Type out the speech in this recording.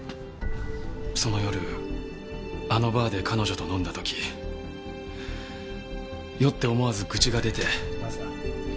その夜あのバーで彼女と飲んだ時酔って思わず愚痴が出て。